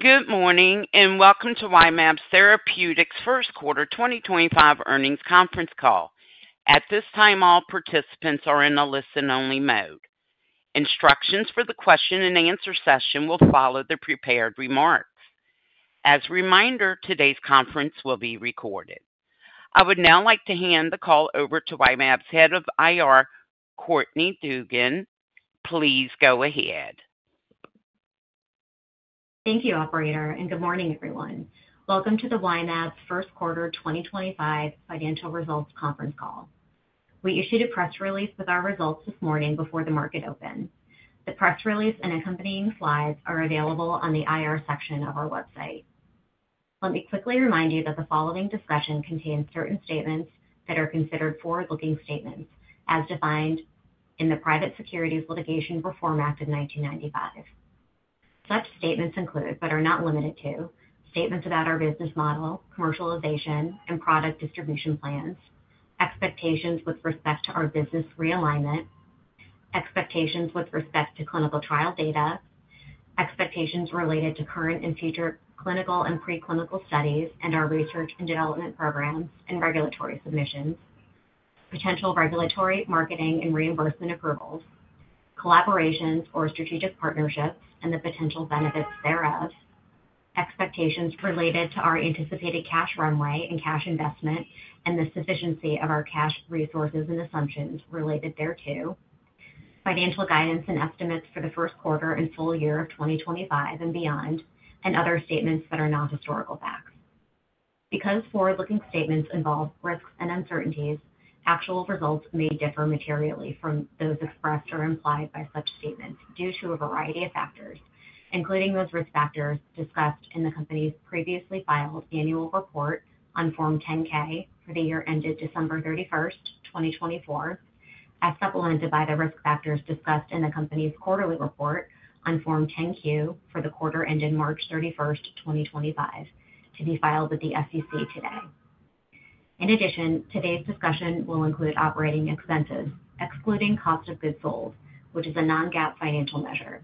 Good morning and welcome to Y-mAbs Therapeutics' first quarter 2025 earnings conference call. At this time, all participants are in a listen-only mode. Instructions for the question-and-answer session will follow the prepared remarks. As a reminder, today's conference will be recorded. I would now like to hand the call over to Y-mAbs Head of IR, Courtney Dugan. Please go ahead. Thank you, Operator, and good morning, everyone. Welcome to the Y-mAbs first quarter 2025 financial results conference call. We issued a press release with our results this morning before the market open. The press release and accompanying slides are available on the IR section of our website. Let me quickly remind you that the following discussion contains certain statements that are considered forward-looking statements, as defined in the Private Securities Litigation Reform Act of 1995. Such statements include, but are not limited to, statements about our business model, commercialization, and product distribution plans, expectations with respect to our business realignment, expectations with respect to clinical trial data, expectations related to current and future clinical and preclinical studies, and our research and development programs and regulatory submissions, potential regulatory, marketing, and reimbursement approvals, collaborations or strategic partnerships, and the potential benefits thereof, expectations related to our anticipated cash runway and cash investment, and the sufficiency of our cash resources and assumptions related thereto, financial guidance and estimates for the first quarter and full year of 2025 and beyond, and other statements that are not historical facts. Because forward-looking statements involve risks and uncertainties, actual results may differ materially from those expressed or implied by such statements due to a variety of factors, including those risk factors discussed in the company's previously filed annual report on Form 10-K for the year ended December 31, 2024, as supplemented by the risk factors discussed in the company's quarterly report on Form 10-Q for the quarter ended March 31, 2025, to be filed with the SEC today. In addition, today's discussion will include operating expenses, excluding cost of goods sold, which is a non-GAAP financial measure.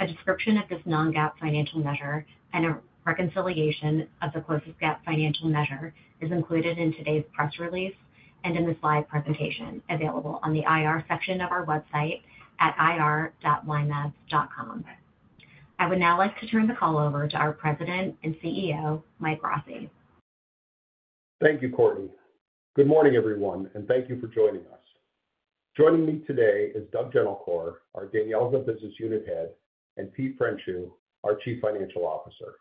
A description of this non-GAAP financial measure and a reconciliation of the closest GAAP financial measure is included in today's press release and in the slide presentation available on the IR section of our website at ir.ymabs.com. I would now like to turn the call over to our President and CEO, Mike Rossi. Thank you, Courtney. Good morning, everyone, and thank you for joining us. Joining me today is Doug Gentilcore, our DANYELZA Business Unit Head, and Pete Frenchu, our Chief Financial Officer.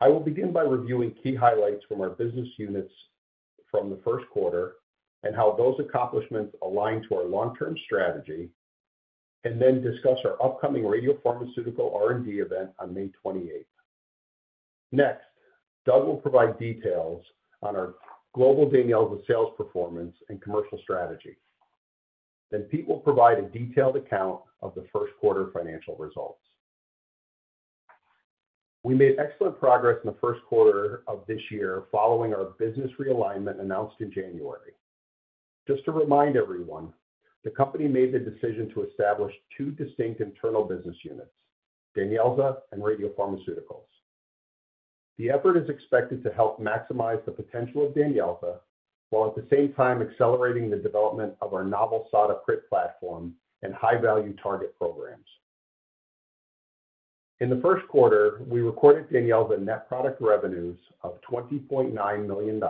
I will begin by reviewing key highlights from our business units from the first quarter and how those accomplishments align to our long-term strategy, and then discuss our upcoming radiopharmaceutical R&D event on May 28th. Next, Doug will provide details on our global DANYELZA sales performance and commercial strategy, and Pete will provide a detailed account of the first quarter financial results. We made excellent progress in the first quarter of this year following our business realignment announced in January. Just to remind everyone, the company made the decision to establish two distinct internal business units, DANYELZA and Radiopharmaceuticals. The effort is expected to help maximize the potential of DANYELZA while at the same time accelerating the development of our novel SADA PRIT platform and high-value target programs. In the first quarter, we recorded DANYELZA net product revenues of $20.9 million,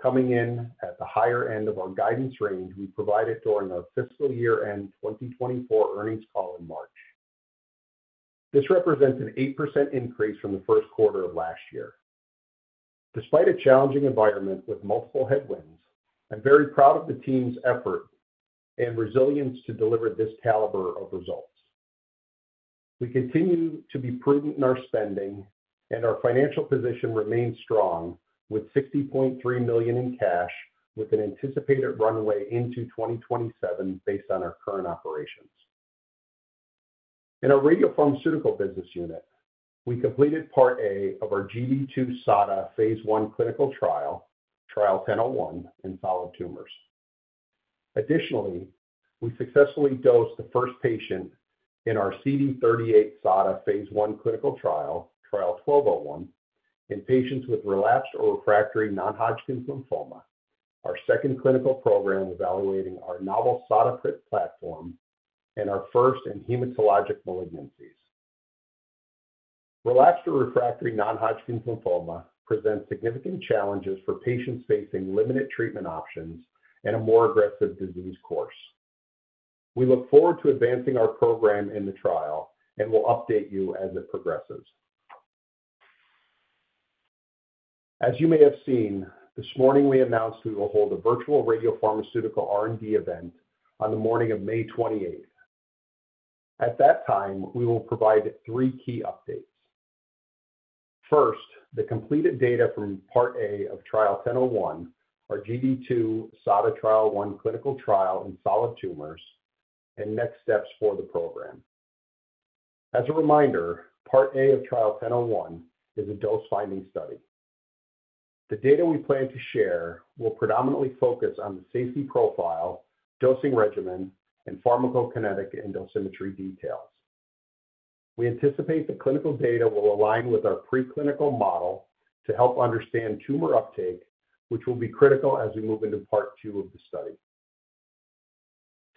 coming in at the higher end of our guidance range we provided during our fiscal year-end 2024 earnings call in March. This represents an 8% increase from the first quarter of last year. Despite a challenging environment with multiple headwinds, I'm very proud of the team's effort and resilience to deliver this caliber of results. We continue to be prudent in our spending, and our financial position remains strong with $60.3 million in cash, with an anticipated runway into 2027 based on our current operations. In our radiopharmaceutical business unit, we completed Part A of our GD2-SADA phase I clinical trial, Trial 1001, in solid tumors. Additionally, we successfully dosed the first patient in our CD38-SADA phase I clinical trial, Trial 1201, in patients with relapsed or refractory non-Hodgkin's lymphoma, our second clinical program evaluating our novel SADA PRIT platform, and our first in hematologic malignancies. Relapsed or refractory non-Hodgkin's lymphoma presents significant challenges for patients facing limited treatment options and a more aggressive disease course. We look forward to advancing our program in the trial and will update you as it progresses. As you may have seen, this morning we announced we will hold a virtual radiopharmaceutical R&D event on the morning of May 28th. At that time, we will provide three key updates. First, the completed data from Part A of Trial 1001, our GD2-SADA phase I clinical trial in solid tumors, and next steps for the program. As a reminder, Part A of Trial 1001 is a dose-finding study. The data we plan to share will predominantly focus on the safety profile, dosing regimen, and pharmacokinetic and dosimetry details. We anticipate the clinical data will align with our preclinical model to help understand tumor uptake, which will be critical as we move into Part II of the study.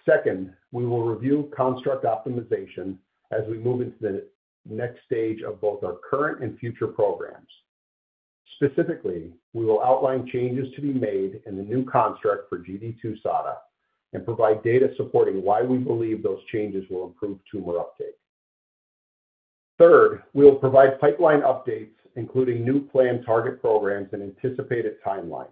Second, we will review construct optimization as we move into the next stage of both our current and future programs. Specifically, we will outline changes to be made in the new construct for GD2-SADA and provide data supporting why we believe those changes will improve tumor uptake. Third, we will provide pipeline updates, including new planned target programs and anticipated timelines.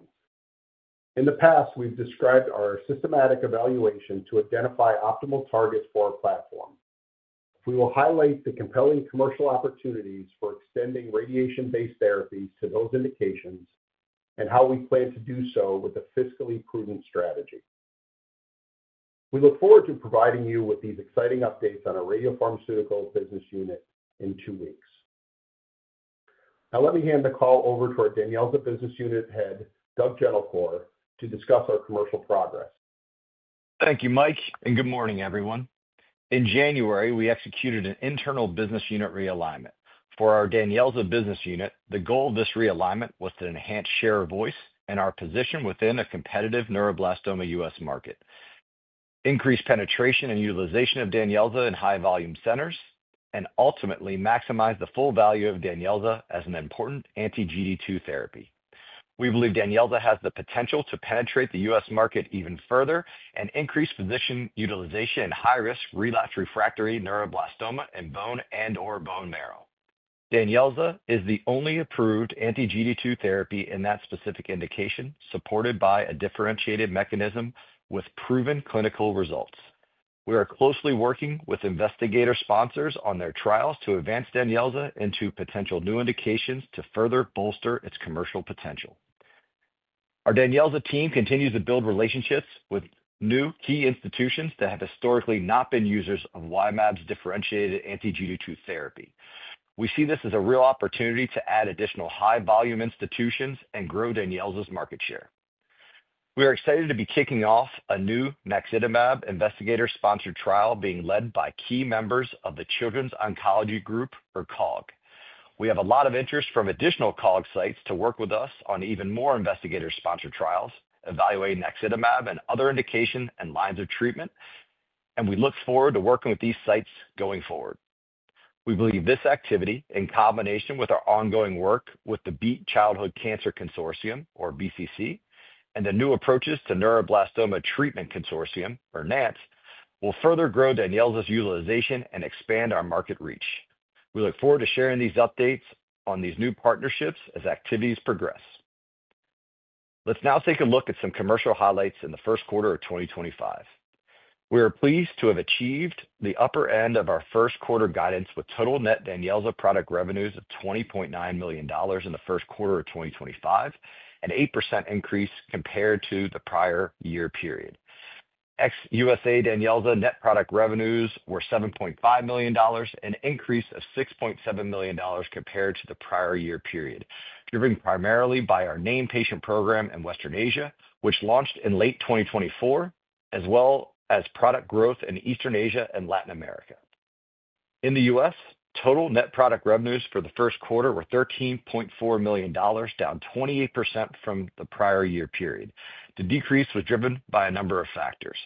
In the past, we've described our systematic evaluation to identify optimal targets for our platform. We will highlight the compelling commercial opportunities for extending radiation-based therapies to those indications and how we plan to do so with a fiscally prudent strategy. We look forward to providing you with these exciting updates on our radiopharmaceutical business unit in two weeks. Now, let me hand the call over to our DANYELZA Business Unit Head, Doug Gentilcore, to discuss our commercial progress. Thank you, Mike, and good morning, everyone. In January, we executed an internal business unit realignment. For our DANYELZA Business Unit, the goal of this realignment was to enhance share of voice and our position within a competitive neuroblastoma U.S. market, increase penetration and utilization of DANYELZA in high-volume centers, and ultimately maximize the full value of DANYELZA as an important anti-GD2 therapy. We believe DANYELZA has the potential to penetrate the U.S. market even further and increase position utilization in high-risk relapsed refractory neuroblastoma and bone and/or bone marrow. DANYELZA is the only approved anti-GD2 therapy in that specific indication, supported by a differentiated mechanism with proven clinical results. We are closely working with investigator sponsors on their trials to advance DANYELZA into potential new indications to further bolster its commercial potential. Our DANYELZA team continues to build relationships with new key institutions that have historically not been users of Y-mAbs' differentiated anti-GD2 therapy. We see this as a real opportunity to add additional high-volume institutions and grow DANYELZA's market share. We are excited to be kicking off a new naximatab investigator-sponsored trial being led by key members of the Children's Oncology Group, or COG. We have a lot of interest from additional COG sites to work with us on even more investigator-sponsored trials evaluating naximatab and other indications and lines of treatment, and we look forward to working with these sites going forward. We believe this activity, in combination with our ongoing work with the Beat Childhood Cancer Consortium, or BCC, and the New Approaches to Neuroblastoma Treatment Consortium, or NATS, will further grow DANYELZA's utilization and expand our market reach. We look forward to sharing these updates on these new partnerships as activities progress. Let's now take a look at some commercial highlights in the first quarter of 2025. We are pleased to have achieved the upper end of our first quarter guidance with total net DANYELZA product revenues of $20.9 million in the first quarter of 2025, an 8% increase compared to the prior year period. U.S. DANYELZA net product revenues were $7.5 million, an increase of $6.7 million compared to the prior year period, driven primarily by our Named Patient Program in Western Asia, which launched in late 2024, as well as product growth in Eastern Asia and Latin America. In the U.S., total net product revenues for the first quarter were $13.4 million, down 28% from the prior year period. The decrease was driven by a number of factors.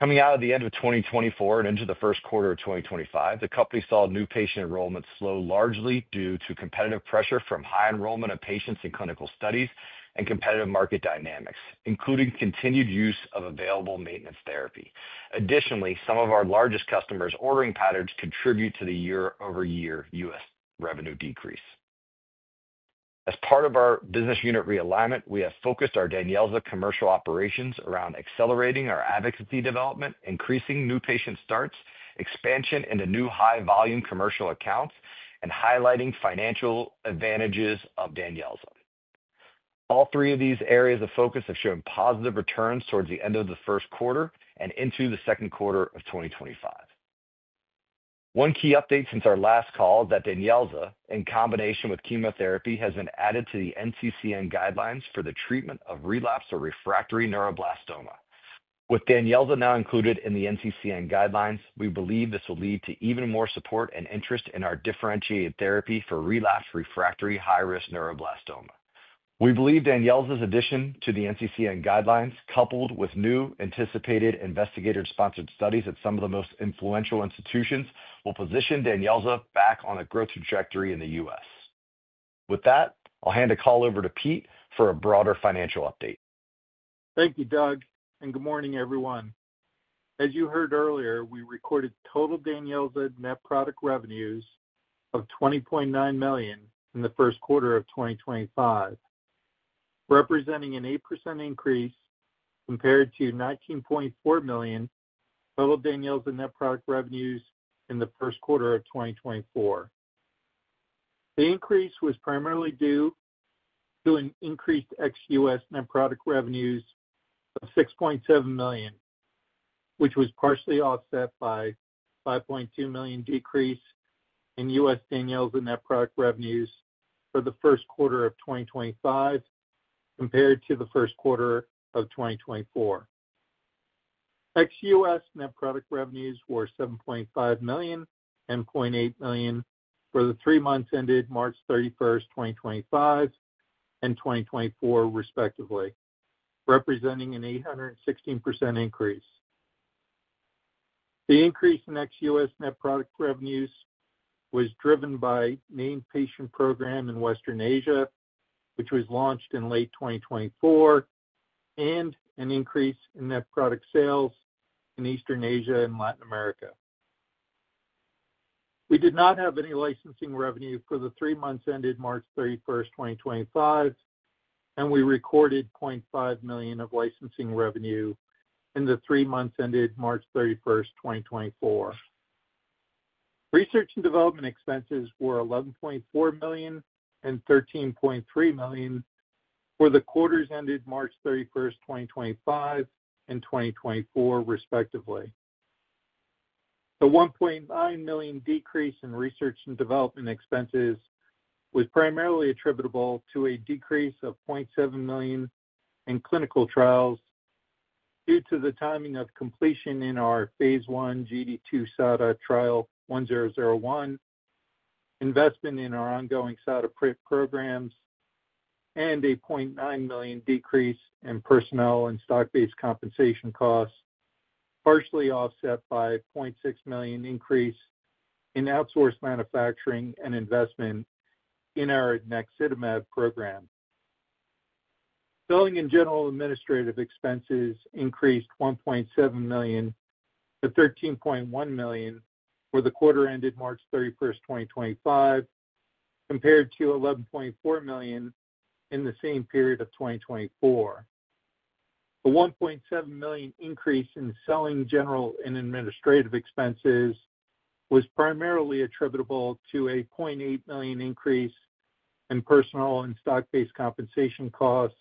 Coming out of the end of 2024 and into the first quarter of 2025, the company saw new patient enrollments slow largely due to competitive pressure from high enrollment of patients in clinical studies and competitive market dynamics, including continued use of available maintenance therapy. Additionally, some of our largest customers' ordering patterns contribute to the year-over-year U.S. revenue decrease. As part of our business unit realignment, we have focused our DANYELZA commercial operations around accelerating our advocacy development, increasing new patient starts, expansion into new high-volume commercial accounts, and highlighting financial advantages of DANYELZA. All three of these areas of focus have shown positive returns towards the end of the first quarter and into the second quarter of 2025. One key update since our last call is that DANYELZA, in combination with chemotherapy, has been added to the NCCN guidelines for the treatment of relapsed or refractory neuroblastoma. With DANYELZA now included in the NCCN guidelines, we believe this will lead to even more support and interest in our differentiated therapy for relapsed refractory high-risk neuroblastoma. We believe DANYELZA's addition to the NCCN guidelines, coupled with new anticipated investigator-sponsored studies at some of the most influential institutions, will position DANYELZA back on a growth trajectory in the U.S. With that, I'll hand the call over to Pete for a broader financial update. Thank you, Doug, and good morning, everyone. As you heard earlier, we recorded total DANYELZA net product revenues of $20.9 million in the first quarter of 2025, representing an 8% increase compared to $19.4 million total DANYELZA net product revenues in the first quarter of 2024. The increase was primarily due to an increased ex-U.S. net product revenues of $6.7 million, which was partially offset by a $5.2 million decrease in U.S. DANYELZA net product revenues for the first quarter of 2025 compared to the first quarter of 2024. Ex-U.S. net product revenues were $7.5 million and $0.8 million for the three months ended March 31st, 2025, and 2024, respectively, representing an 816% increase. The increase in ex-U.S. net product revenues was driven by Named Patient Program in Western Asia, which was launched in late 2024, and an increase in net product sales in Eastern Asia and Latin America. We did not have any licensing revenue for the three months ended March 31, 2025, and we recorded $0.5 million of licensing revenue in the three months ended March 31st, 2024. Research and development expenses were $11.4 million and $13.3 million for the quarters ended March 31st, 2025, and 2024, respectively. The $1.9 million decrease in research and development expenses was primarily attributable to a decrease of $0.7 million in clinical trials due to the timing of completion in our phase I GD2-SADA Trial 1001, investment in our ongoing SADA CRIT programs, and a $0.9 million decrease in personnel and stock-based compensation costs, partially offset by a $0.6 million increase in outsourced manufacturing and investment in our naximatab program. Billing and general administrative expenses increased $1.7 million to $13.1 million for the quarter ended March 31, 2025, compared to $11.4 million in the same period of 2024. The $1.7 million increase in selling, general, and administrative expenses was primarily attributable to a $0.8 million increase in personnel and stock-based compensation costs,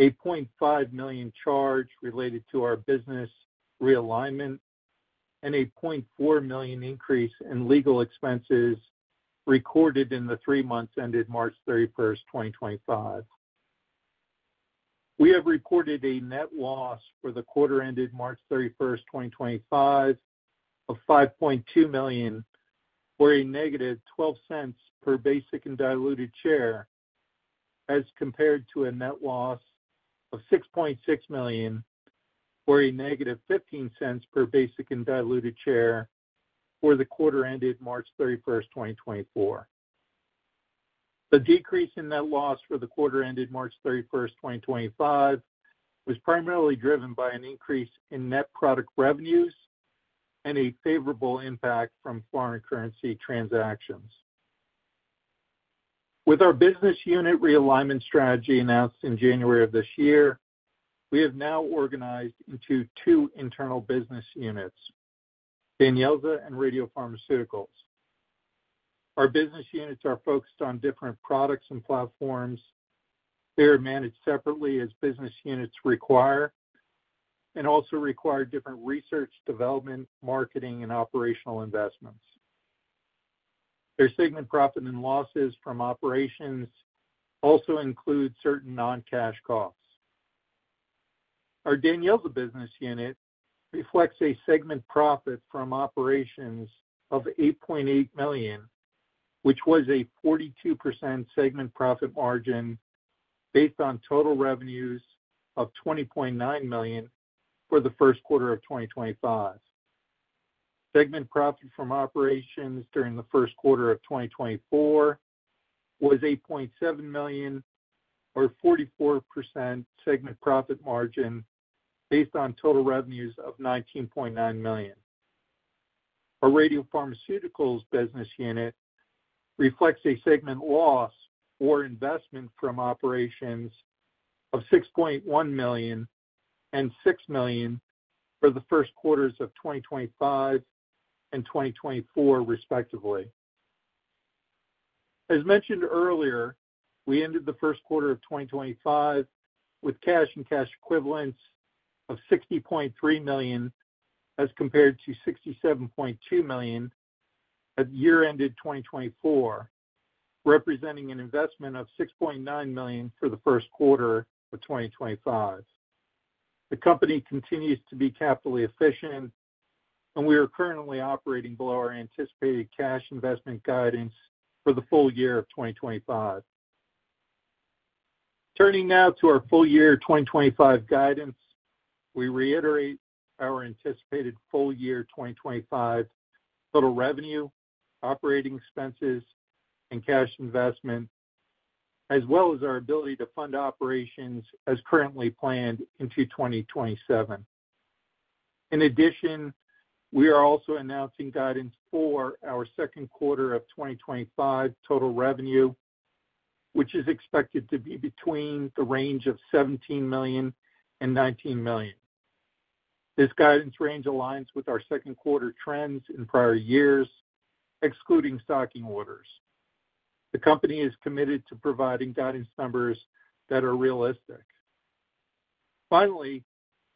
a $0.5 million charge related to our business realignment, and a $0.4 million increase in legal expenses recorded in the three months ended March 31, 2025. We have reported a net loss for the quarter ended March 31, 2025, of $5.2 million, or a negative $0.12 per basic and diluted share, as compared to a net loss of $6.6 million, or a negative $0.15 per basic and diluted share for the quarter ended March 31, 2024. The decrease in net loss for the quarter ended March 31, 2025, was primarily driven by an increase in net product revenues and a favorable impact from foreign currency transactions. With our business unit realignment strategy announced in January of this year, we have now organized into two internal business units, DANYELZA and Radiopharmaceuticals. Our business units are focused on different products and platforms. They are managed separately as business units require and also require different research, development, marketing, and operational investments. Their segment profit and losses from operations also include certain non-cash costs. Our DANYELZA business unit reflects a segment profit from operations of $8.8 million, which was a 42% segment profit margin based on total revenues of $20.9 million for the first quarter of 2025. Segment profit from operations during the first quarter of 2024 was $8.7 million, or 44% segment profit margin based on total revenues of $19.9 million. Our Radiopharmaceuticals business unit reflects a segment loss or investment from operations of $6.1 million and $6 million for the first quarters of 2025 and 2024, respectively. As mentioned earlier, we ended the first quarter of 2025 with cash and cash equivalents of $60.3 million as compared to $67.2 million at year-ended 2024, representing an investment of $6.9 million for the first quarter of 2025. The company continues to be capitally efficient, and we are currently operating below our anticipated cash investment guidance for the full year of 2025. Turning now to our full year 2025 guidance, we reiterate our anticipated full year 2025 total revenue, operating expenses, and cash investment, as well as our ability to fund operations as currently planned into 2027. In addition, we are also announcing guidance for our second quarter of 2025 total revenue, which is expected to be between the range of $17 million and $19 million. This guidance range aligns with our second quarter trends in prior years, excluding stocking orders. The company is committed to providing guidance numbers that are realistic. Finally,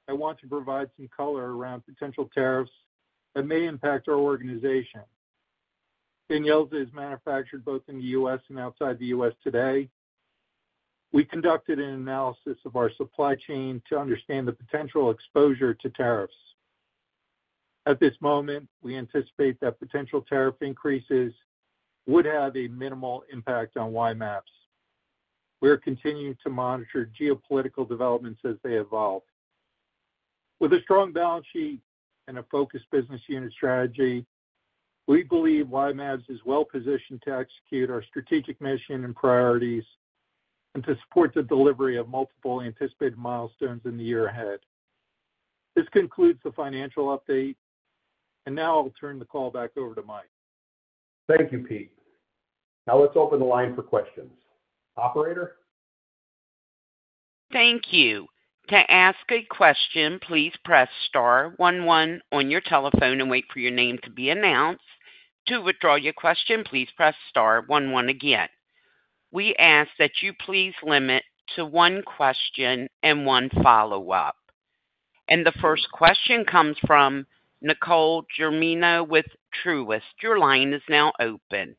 I want to provide some color around potential tariffs that may impact our organization. DANYELZA is manufactured both in the U.S. and outside the U.S. today. We conducted an analysis of our supply chain to understand the potential exposure to tariffs. At this moment, we anticipate that potential tariff increases would have a minimal impact on Y-mAbs. We are continuing to monitor geopolitical developments as they evolve. With a strong balance sheet and a focused business unit strategy, we believe Y-mAbs is well-positioned to execute our strategic mission and priorities and to support the delivery of multiple anticipated milestones in the year ahead. This concludes the financial update, and now I'll turn the call back over to Mike. Thank you, Pete. Now let's open the line for questions. Operator? Thank you. To ask a question, please press star 11 on your telephone and wait for your name to be announced. To withdraw your question, please press star 11 again. We ask that you please limit to one question and one follow-up. The first question comes from Nicole Germino with Truist. Your line is now open.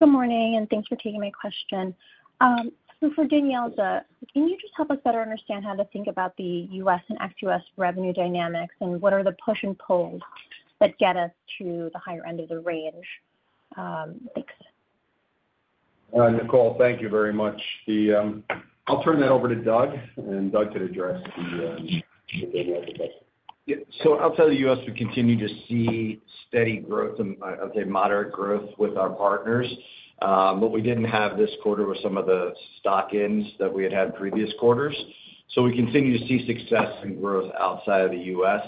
Good morning, and thanks for taking my question. For DANYELZA, can you just help us better understand how to think about the U.S. and ex-U.S. revenue dynamics, and what are the push and pulls that get us to the higher end of the range? Thanks. Nicole, thank you very much. I'll turn that over to Doug, and Doug could address the DANYELZA question. Yeah. Outside of the U.S., we continue to see steady growth, and I would say moderate growth with our partners. What we did not have this quarter was some of the stock-ins that we had had previous quarters. We continue to see success and growth outside of the U.S.,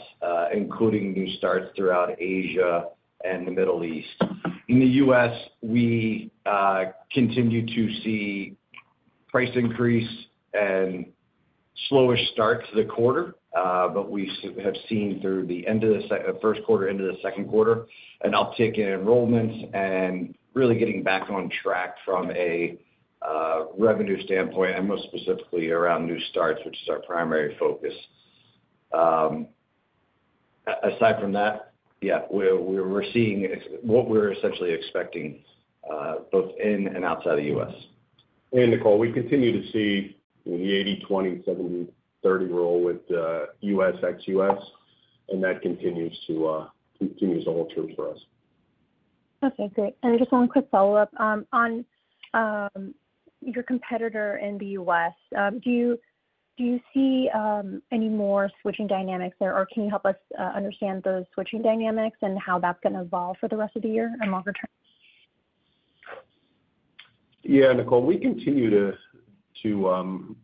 including new starts throughout Asia and the Middle East. In the U.S., we continue to see price increase and slowish start to the quarter, but we have seen through the end of the first quarter, end of the second quarter, an uptick in enrollments and really getting back on track from a revenue standpoint, and most specifically around new starts, which is our primary focus. Aside from that, yeah, we are seeing what we are essentially expecting both in and outside the U.S. Nicole, we continue to see the 80/20,70/30 rule with U.S./ex-U.S., and that continues to continue as a whole truth for us. Okay. Great. Just one quick follow-up. On your competitor in the U.S., do you see any more switching dynamics there, or can you help us understand those switching dynamics and how that's going to evolve for the rest of the year and longer term? Yeah, Nicole, we continue to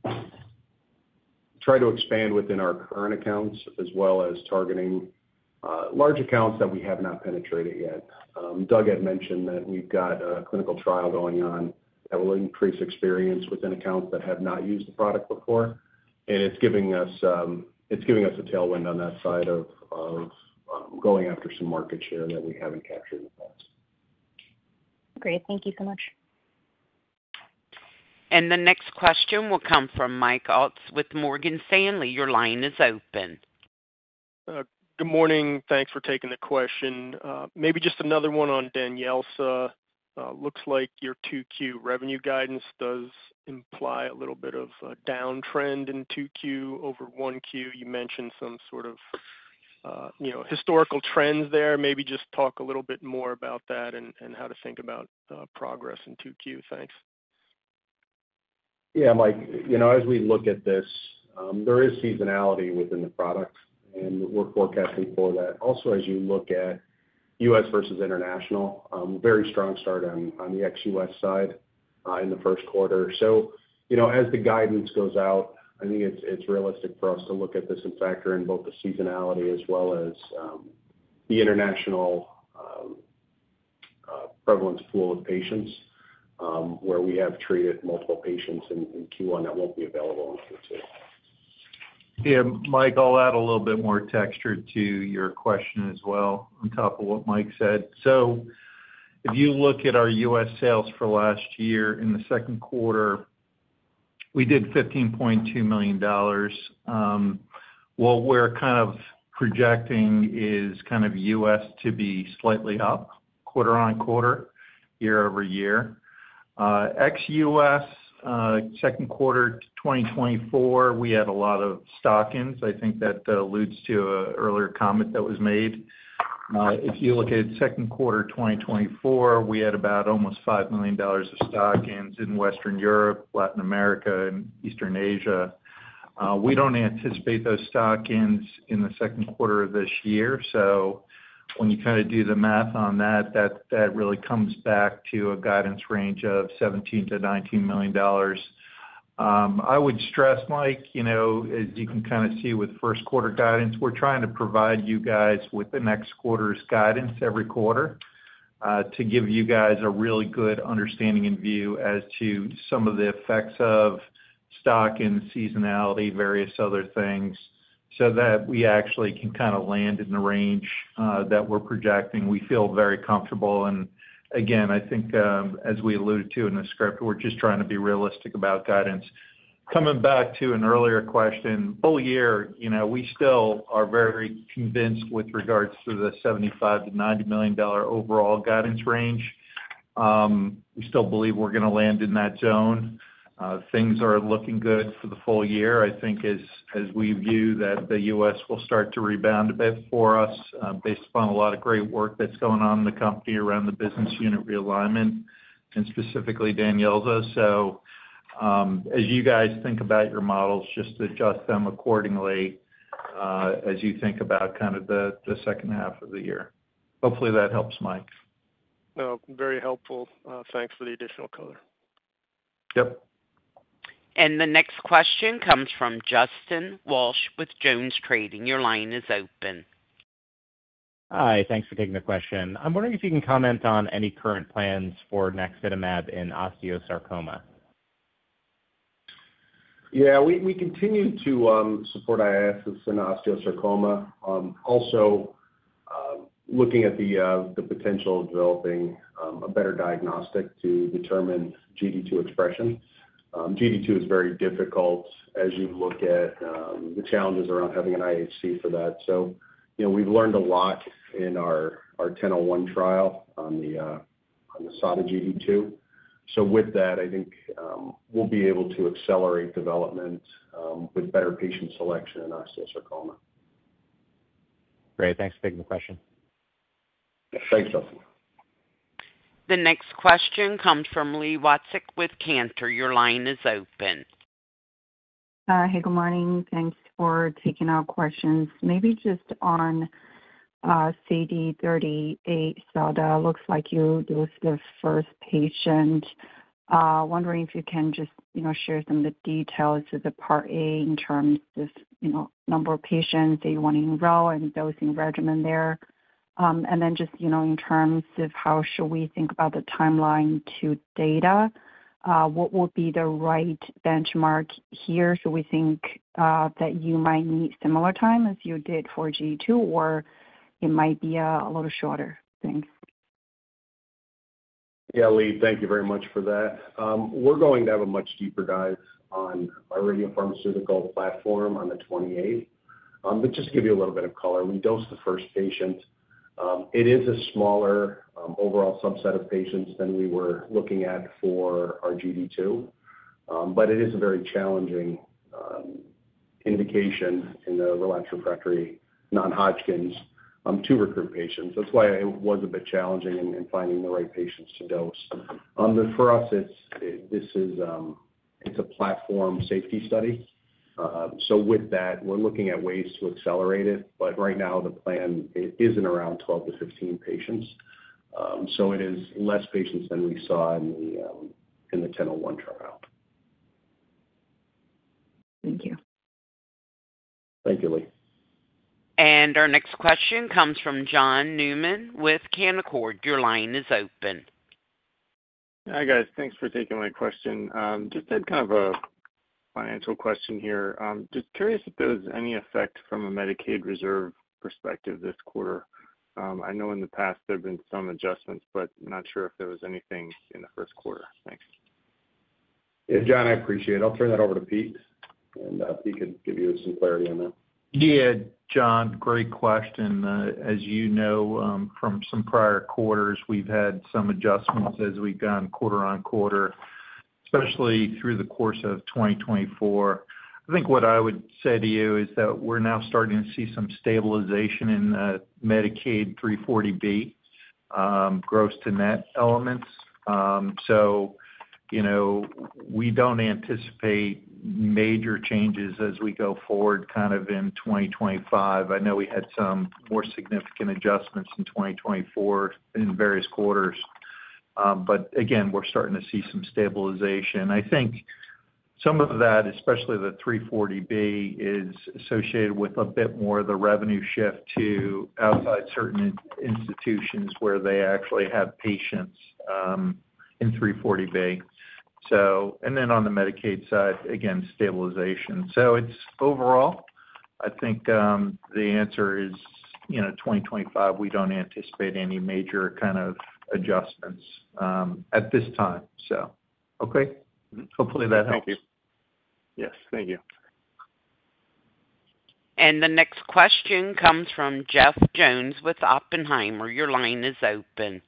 try to expand within our current accounts as well as targeting large accounts that we have not penetrated yet. Doug had mentioned that we've got a clinical trial going on that will increase experience within accounts that have not used the product before, and it's giving us a tailwind on that side of going after some market share that we haven't captured in the past. Great. Thank you so much. The next question will come from Mike Ulz with Morgan Stanley. Your line is open. Good morning. Thanks for taking the question. Maybe just another one on DANYELZA. Looks like your 2Q revenue guidance does imply a little bit of a downtrend in 2Q over 1Q. You mentioned some sort of historical trends there. Maybe just talk a little bit more about that and how to think about progress in 2Q. Thanks. Yeah, Mike, as we look at this, there is seasonality within the product, and we're forecasting for that. Also, as you look at U.S. versus international, very strong start on the ex-U.S. side in the first quarter. As the guidance goes out, I think it's realistic for us to look at this and factor in both the seasonality as well as the international prevalence pool of patients where we have treated multiple patients in Q1 that won't be available in Q2. Yeah, Mike, I'll add a little bit more texture to your question as well on top of what Mike said. If you look at our U.S. sales for last year in the second quarter, we did $15.2 million. What we're kind of projecting is kind of U.S. to be slightly up quarter on quarter, year over year. Ex-U.S., second quarter 2024, we had a lot of stock-ins. I think that alludes to an earlier comment that was made. If you look at second quarter 2024, we had about almost $5 million of stock-ins in Western Europe, Latin America, and Eastern Asia. We don't anticipate those stock-ins in the second quarter of this year. When you kind of do the math on that, that really comes back to a guidance range of $17-$19 million. I would stress, Mike, as you can kind of see with first quarter guidance, we're trying to provide you guys with the next quarter's guidance every quarter to give you guys a really good understanding and view as to some of the effects of stock-ins, seasonality, various other things, so that we actually can kind of land in the range that we're projecting. We feel very comfortable. Again, I think as we alluded to in the script, we're just trying to be realistic about guidance. Coming back to an earlier question, full year, we still are very convinced with regards to the $75-$90 million overall guidance range. We still believe we're going to land in that zone. Things are looking good for the full year, I think, as we view that the U.S. will start to rebound a bit for us based upon a lot of great work that's going on in the company around the business unit realignment, and specifically DANYELZA's. As you guys think about your models, just adjust them accordingly as you think about kind of the second half of the year. Hopefully, that helps, Mike. No, very helpful. Thanks for the additional color. Yep. The next question comes from Justin Walsh with Jones Trading. Your line is open. Hi, thanks for taking the question. I'm wondering if you can comment on any current plans for naximatab in osteosarcoma. Yeah, we continue to support ISTs in osteosarcoma. Also, looking at the potential of developing a better diagnostic to determine GD2 expression. GD2 is very difficult as you look at the challenges around having an IHC for that. We have learned a lot in our 1001 trial on the SADA-GD2. With that, I think we will be able to accelerate development with better patient selection in osteosarcoma. Great. Thanks for taking the question. Thanks, Justin. The next question comes from Li Watsek with Cantor. Your line is open. Hi, good morning. Thanks for taking our questions. Maybe just on CD38-SADA, looks like you're the first patient. Wondering if you can just share some of the details of the Part A in terms of number of patients that you want to enroll and dosing regimen there. In terms of how should we think about the timeline to data, what will be the right benchmark here? Should we think that you might need similar time as you did for GD2, or it might be a little shorter? Thanks. Yeah, Lee, thank you very much for that. We're going to have a much deeper dive on our radiopharmaceutical platform on the 28th. Just to give you a little bit of color, we dosed the first patient. It is a smaller overall subset of patients than we were looking at for our GD2, but it is a very challenging indication in the relapsed refractory non-Hodgkin's to recruit patients. That's why it was a bit challenging in finding the right patients to dose. For us, this is a platform safety study. With that, we're looking at ways to accelerate it, but right now, the plan isn't around 12-15 patients. It is less patients than we saw in the 1001 trial. Thank you. Thank you, Lee. Our next question comes from John Newman with Canaccord. Your line is open. Hi guys. Thanks for taking my question. Just had kind of a financial question here. Just curious if there was any effect from a Medicaid reserve perspective this quarter. I know in the past there have been some adjustments, but not sure if there was anything in the first quarter. Thanks. Yeah, John, I appreciate it. I'll turn that over to Pete, and he can give you some clarity on that. Yeah, John, great question. As you know, from some prior quarters, we've had some adjustments as we've gone quarter on quarter, especially through the course of 2024. I think what I would say to you is that we're now starting to see some stabilization in Medicaid 340B gross-to-net elements. We don't anticipate major changes as we go forward kind of in 2025. I know we had some more significant adjustments in 2024 in various quarters, but again, we're starting to see some stabilization. I think some of that, especially the 340B, is associated with a bit more of the revenue shift to outside certain institutions where they actually have patients in 340B. On the Medicaid side, again, stabilization. Overall, I think the answer is 2025, we don't anticipate any major kind of adjustments at this time. Okay, hopefully that helps. Thank you. Yes, thank you. The next question comes from Jeff Jones with Oppenheimer. Your line is open.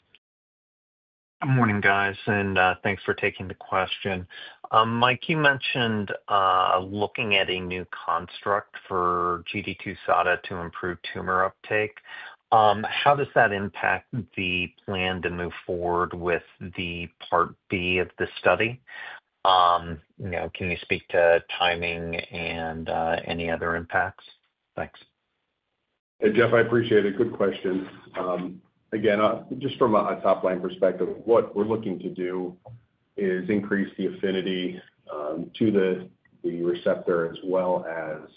Good morning, guys, and thanks for taking the question. Mike, you mentioned looking at a new construct for GD2-SADA to improve tumor uptake. How does that impact the plan to move forward with the Part B of the study? Can you speak to timing and any other impacts? Thanks. Hey, Jeff, I appreciate it. Good question. Again, just from a top-line perspective, what we're looking to do is increase the affinity to the receptor as well as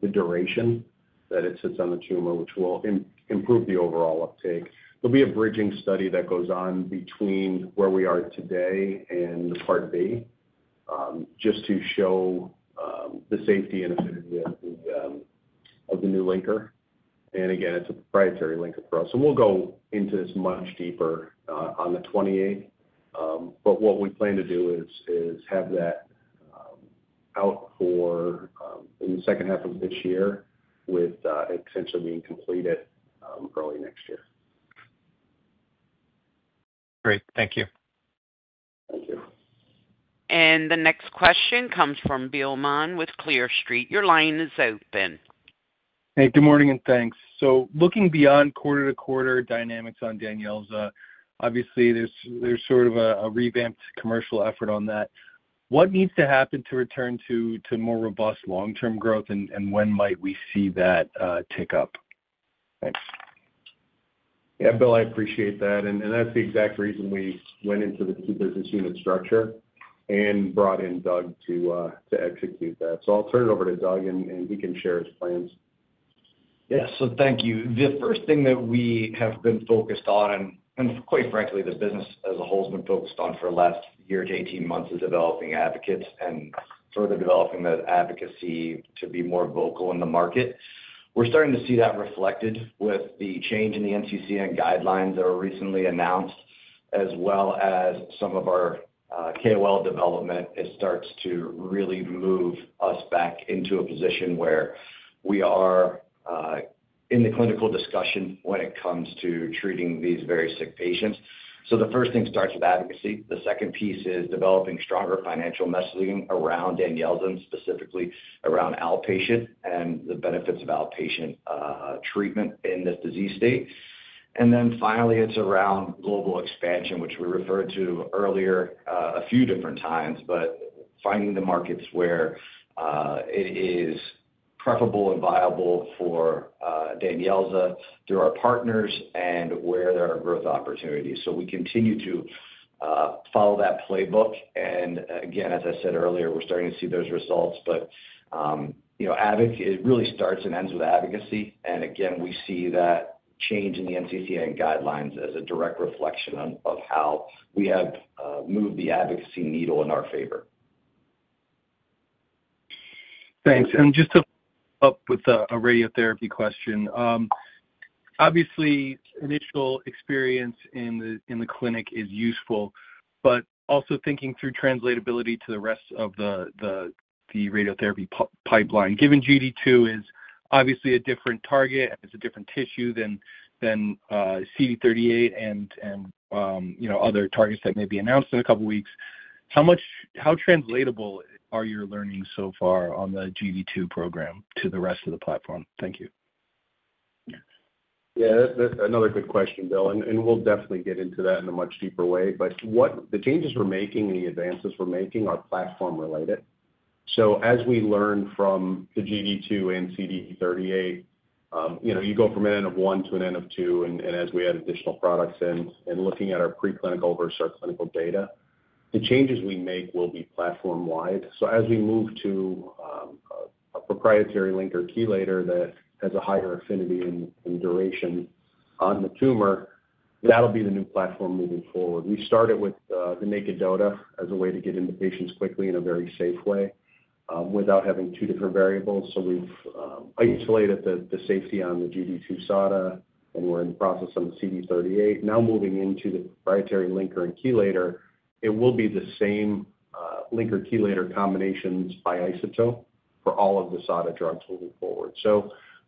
the duration that it sits on the tumor, which will improve the overall uptake. There will be a bridging study that goes on between where we are today and the Part B just to show the safety and affinity of the new linker. Again, it's a proprietary linker for us. We will go into this much deeper on the 28th. What we plan to do is have that out in the second half of this year with it essentially being completed early next year. Great. Thank you. Thank you. The next question comes from Bill Maughan with Clear Street. Your line is open. Hey, good morning and thanks. Looking beyond quarter to quarter dynamics on DANYELZA, obviously, there is sort of a revamped commercial effort on that. What needs to happen to return to more robust long-term growth, and when might we see that tick up? Thanks. Yeah, Bill, I appreciate that. That is the exact reason we went into the two business unit structure and brought in Doug to execute that. I will turn it over to Doug, and he can share his plans. Yeah, so thank you. The first thing that we have been focused on, and quite frankly, the business as a whole has been focused on for the last year to 18 months, is developing advocates and further developing that advocacy to be more vocal in the market. We're starting to see that reflected with the change in the NCCN guidelines that were recently announced, as well as some of our KOL development. It starts to really move us back into a position where we are in the clinical discussion when it comes to treating these very sick patients. The first thing starts with advocacy. The second piece is developing stronger financial messaging around DANYELZA, and specifically around outpatient and the benefits of outpatient treatment in this disease state. Finally, it's around global expansion, which we referred to earlier a few different times, but finding the markets where it is preferable and viable for DANYELZA through our partners and where there are growth opportunities. We continue to follow that playbook. As I said earlier, we're starting to see those results. It really starts and ends with advocacy. Again, we see that change in the NCCN guidelines as a direct reflection of how we have moved the advocacy needle in our favor. Thanks. Just to follow up with a radiotherapy question, obviously, initial experience in the clinic is useful, but also thinking through translatability to the rest of the radiotherapy pipeline. Given GD2 is obviously a different target, it's a different tissue than CD38 and other targets that may be announced in a couple of weeks, how translatable are your learnings so far on the GD2 program to the rest of the platform? Thank you. Yeah, that's another good question, Bill. We'll definitely get into that in a much deeper way. The changes we're making and the advances we're making are platform-related. As we learn from the GD2 and CD38, you go from an end of one to an end of two, and as we add additional products and look at our preclinical versus our clinical data, the changes we make will be platform-wide. As we move to a proprietary linker chelator that has a higher affinity and duration on the tumor, that'll be the new platform moving forward. We started with the naked DOTA as a way to get into patients quickly in a very safe way without having two different variables. We've isolated the safety on the GD2-SADA, and we're in the process on the CD38. Now moving into the proprietary linker and chelator, it will be the same linker chelator combinations by isotope for all of the SADA drugs moving forward.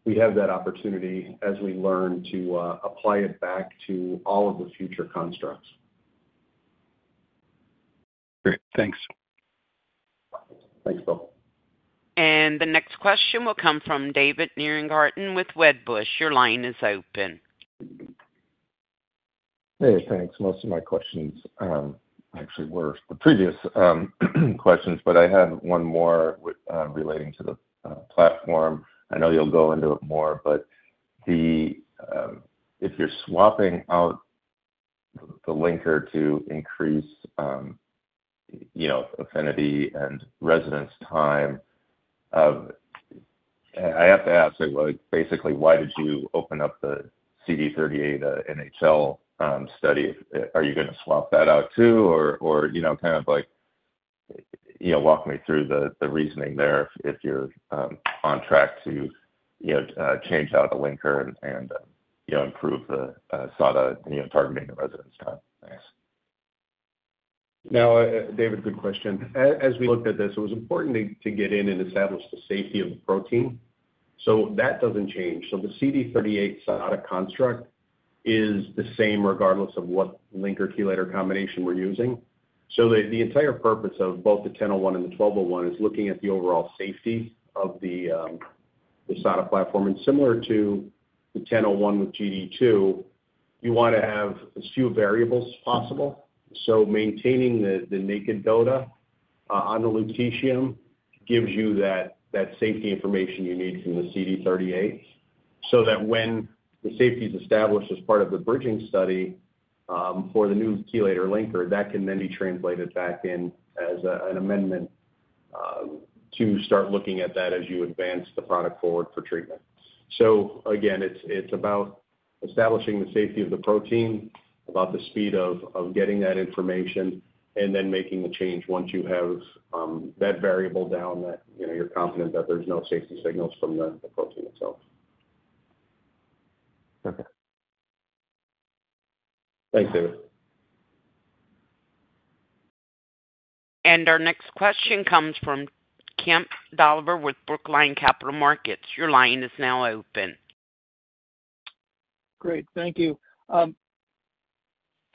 We have that opportunity as we learn to apply it back to all of the future constructs. Great. Thanks. Thanks, Bill. The next question will come from David Nierengarten with Wedbush. Your line is open. Hey, thanks. Most of my questions actually were the previous questions, but I have one more relating to the platform. I know you'll go into it more, but if you're swapping out the linker to increase affinity and residence time, I have to ask, basically, why did you open up the CD38 NHL study? Are you going to swap that out too? Or kind of walk me through the reasoning there if you're on track to change out a linker and improve the SADA targeting and residence time. Thanks. Now, David, good question. As we looked at this, it was important to get in and establish the safety of the protein. That does not change. The CD38-SADA construct is the same regardless of what linker chelator combination we are using. The entire purpose of both the 1001 and the 1201 is looking at the overall safety of the SADA platform. Similar to the 1001 with GD2, you want to have as few variables as possible. Maintaining the naked DOTA on the lutetium gives you that safety information you need from the CD38 so that when the safety is established as part of the bridging study for the new chelator linker, that can then be translated back in as an amendment to start looking at that as you advance the product forward for treatment. Again, it's about establishing the safety of the protein, about the speed of getting that information, and then making the change once you have that variable down that you're confident that there's no safety signals from the protein itself. Okay. Thanks, David. Our next question comes from Kemp Dolliver with Brookline Capital Markets. Your line is now open. Great. Thank you.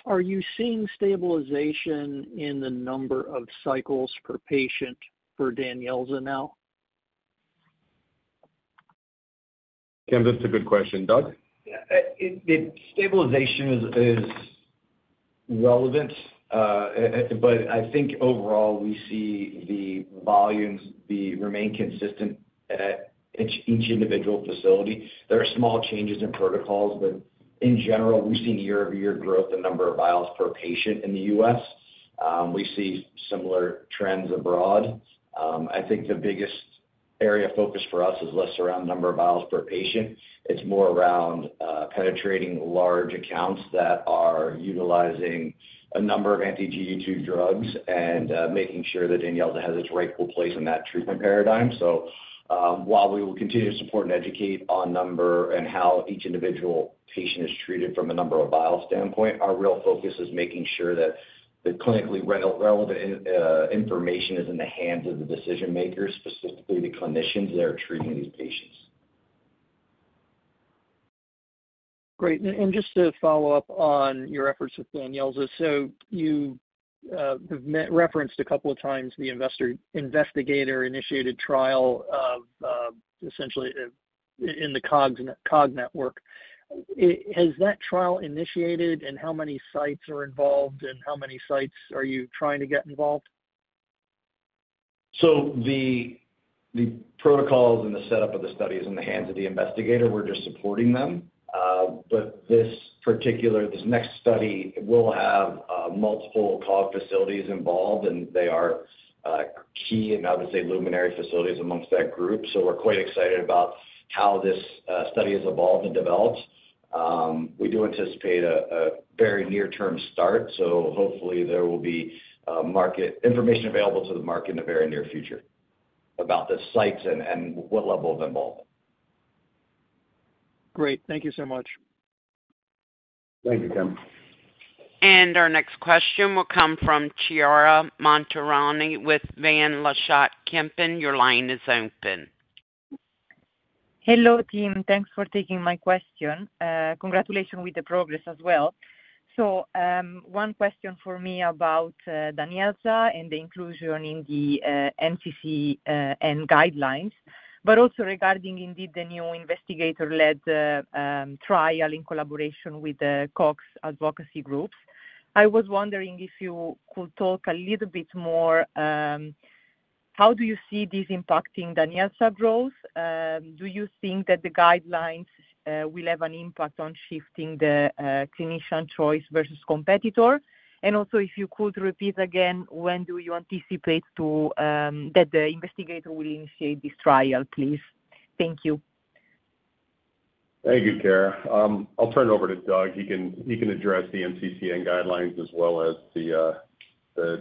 Are you seeing stabilization in the number of cycles per patient for DANYELZA now? Kemp, that's a good question. Doug? Yeah. Stabilization is relevant, but I think overall, we see the volumes remain consistent at each individual facility. There are small changes in protocols, but in general, we've seen year-over-year growth in number of vials per patient in the U.S. We see similar trends abroad. I think the biggest area of focus for us is less around the number of vials per patient. It's more around penetrating large accounts that are utilizing a number of anti-GD2 drugs and making sure that DANYELZA has its rightful place in that treatment paradigm. While we will continue to support and educate on number and how each individual patient is treated from a number of vials standpoint, our real focus is making sure that the clinically relevant information is in the hands of the decision-makers, specifically the clinicians that are treating these patients. Great. Just to follow up on your efforts with DANYELZA, you have referenced a couple of times the investigator-initiated trial essentially in the COG network. Has that trial initiated, and how many sites are involved, and how many sites are you trying to get involved? The protocols and the setup of the study is in the hands of the investigator. We're just supporting them. This particular next study will have multiple COG facilities involved, and they are key and, I would say, luminary facilities amongst that group. We're quite excited about how this study has evolved and developed. We do anticipate a very near-term start. Hopefully, there will be information available to the market in the very near future about the sites and what level of involvement. Great. Thank you so much. Thank you, Kim. Our next question will come from Chiara Montironi with Van Lanschot Kempen. Your line is open. Hello, team. Thanks for taking my question. Congratulations with the progress as well. One question for me about DANYELZA and the inclusion in the NCCN guidelines, but also regarding indeed the new investigator-led trial in collaboration with the COG Advocacy Groups. I was wondering if you could talk a little bit more, how do you see this impacting DANYELZA's growth? Do you think that the guidelines will have an impact on shifting the clinician choice versus competitor? Also, if you could repeat again, when do you anticipate that the investigator will initiate this trial, please? Thank you. Thank you, Chiara. I'll turn it over to Doug. He can address the NCCN guidelines as well as the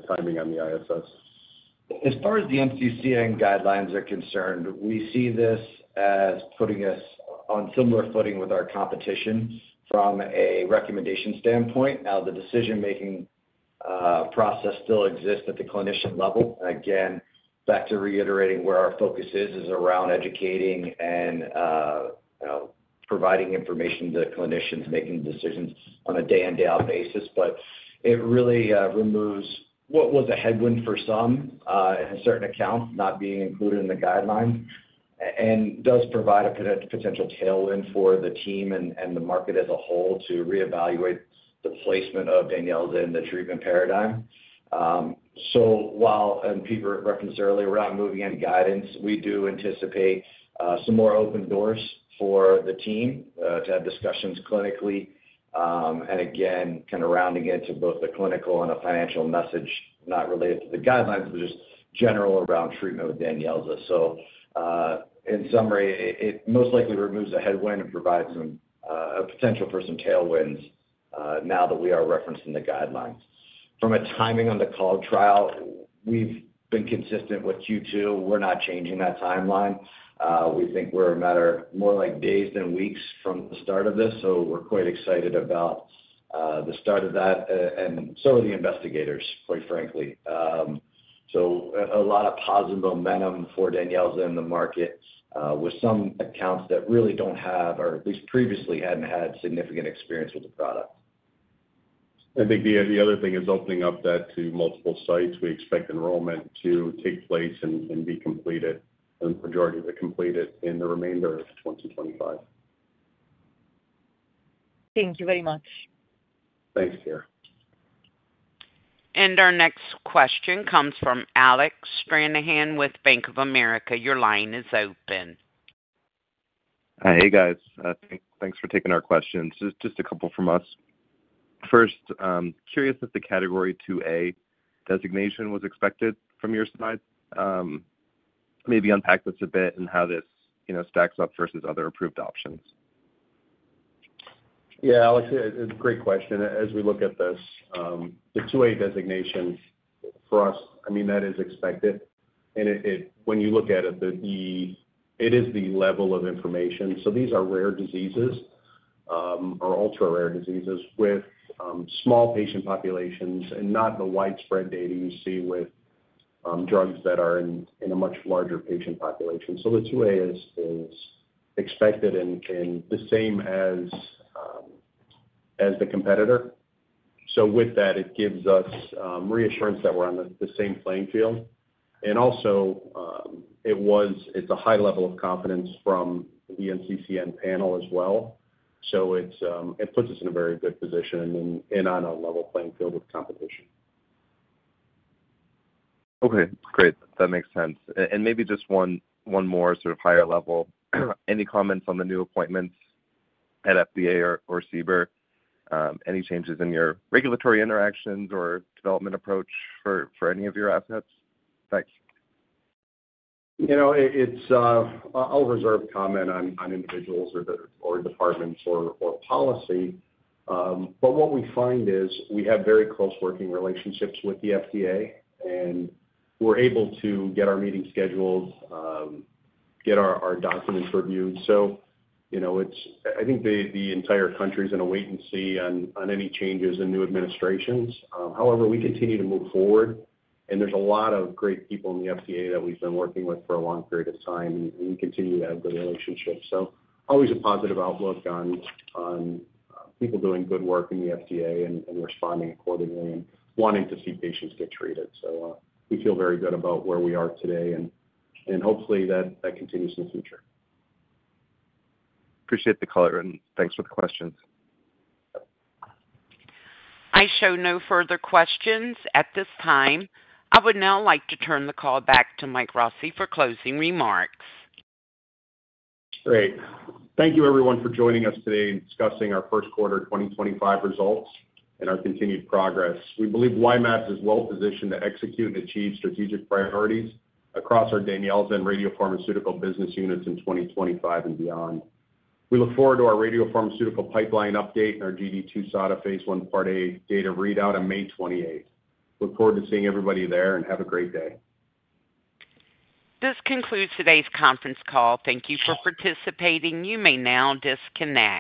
timing on the IST. As far as the NCCN guidelines are concerned, we see this as putting us on similar footing with our competition from a recommendation standpoint. Now, the decision-making process still exists at the clinician level. Again, back to reiterating where our focus is, is around educating and providing information to clinicians making decisions on a day-in, day-out basis. It really removes what was a headwind for some in certain accounts not being included in the guidelines and does provide a potential tailwind for the team and the market as a whole to reevaluate the placement of DANYELZA in the treatment paradigm. While people referenced earlier around moving into guidance, we do anticipate some more open doors for the team to have discussions clinically and again, kind of rounding into both the clinical and a financial message not related to the guidelines, but just general around treatment with DANYELZA. In summary, it most likely removes a headwind and provides a potential for some tailwinds now that we are referencing the guidelines. From a timing on the COG trial, we've been consistent with Q2. We're not changing that timeline. We think we're a matter more like days than weeks from the start of this. We're quite excited about the start of that and so are the investigators, quite frankly. A lot of positive momentum for DANYELZA in the market with some accounts that really do not have or at least previously had not had significant experience with the product. I think the other thing is opening up that to multiple sites. We expect enrollment to take place and be completed, and the majority of it completed in the remainder of 2025. Thank you very much. Thanks, Chiara. Our next question comes from Alex Stranahan with Bank of America. Your line is open. Hey, guys. Thanks for taking our questions. Just a couple from us. First, curious if the category 2A designation was expected from your side. Maybe unpack this a bit and how this stacks up versus other approved options? Yeah, Alex, it's a great question. As we look at this, the 2A designation for us, I mean, that is expected. And when you look at it, it is the level of information. These are rare diseases or ultra-rare diseases with small patient populations and not the widespread data you see with drugs that are in a much larger patient population. The 2A is expected and the same as the competitor. With that, it gives us reassurance that we're on the same playing field. Also, it's a high level of confidence from the NCCN panel as well. It puts us in a very good position and on a level playing field with competition. Okay. Great. That makes sense. Maybe just one more sort of higher level. Any comments on the new appointments at FDA or CBER? Any changes in your regulatory interactions or development approach for any of your assets? Thanks. It's an all-reserved comment on individuals or departments or policy. What we find is we have very close working relationships with the FDA, and we're able to get our meetings scheduled, get our documents reviewed. I think the entire country is in a wait-and-see on any changes in new administrations. However, we continue to move forward, and there's a lot of great people in the FDA that we've been working with for a long period of time, and we continue to have good relationships. Always a positive outlook on people doing good work in the FDA and responding accordingly and wanting to see patients get treated. We feel very good about where we are today, and hopefully, that continues in the future. Appreciate the color and thanks for the questions. I show no further questions at this time. I would now like to turn the call back to Mike Rossi for closing remarks. Great. Thank you, everyone, for joining us today in discussing our first quarter 2025 results and our continued progress. We believe Y-mAbs is well-positioned to execute and achieve strategic priorities across our DANYELZA and radiopharmaceutical business units in 2025 and beyond. We look forward to our radiopharmaceutical pipeline update and our GD2-SADA phase 1, part A data readout on May 28th. Look forward to seeing everybody there and have a great day. This concludes today's conference call. Thank you for participating. You may now disconnect.